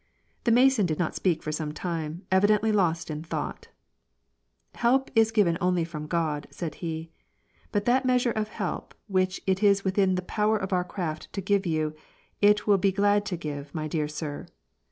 The Mason did not speak for some time, evidently lost in thought. " Help is given only from God," said he. " But that meas ure of help which it is within the power of our craft to give you, it will be glad to give, my dear sir.